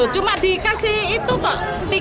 cuma dikasih itu kok rp tiga